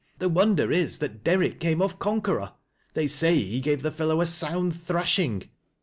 The wonder is, that Derrick came off conqueror. They say he gave the fellow a sound thrashing.